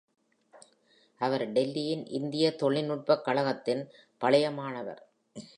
அவர் டெல்லியின் இந்திய தொழில்நுட்பக் கழகத்தின் பழைய மாணவர்.